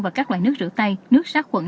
và các loại nước rửa tay nước sát khuẩn